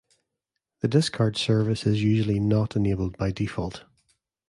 The discard service is usually not enabled by default.